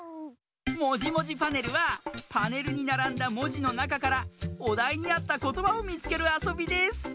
「もじもじパネル」はパネルにならんだもじのなかからおだいにあったことばをみつけるあそびです。